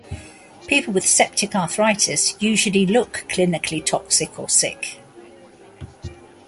People with septic arthritis usually look clinically toxic or sick.